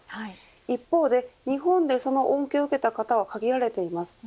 一方で日本でその恩恵を受けた方は限られています。